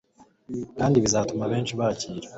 kandi bizatuma abenshi bakira